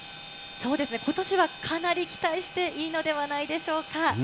そうですね、ことしはかなり期待していいのではないでしょうか。